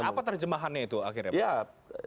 apa terjemahannya itu akhirnya pak